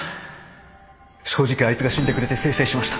正直あいつが死んでくれてせいせいしました